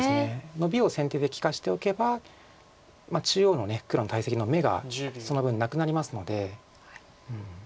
ノビを先手で利かしておけば中央の黒の大石の眼がその分なくなりますので。